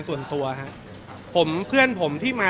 สวัสดีครับ